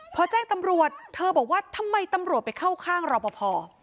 พอแจ้งตำรวจเธอบอกว่าทำไมตำรวจไปเข้าข้างรอปภ